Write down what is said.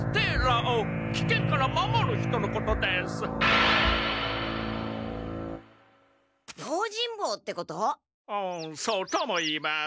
オウそうともいいます。